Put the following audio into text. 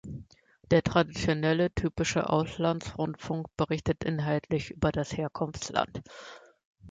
Der traditionelle typische Auslandsrundfunk berichtet inhaltlich über das Herkunftsland.